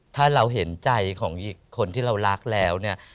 ถ้าเราเห็นใจของอีกคนที่เรารักแล้วเนี่ย